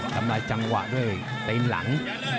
ทำลายจังหวะด้วยตีนหลัง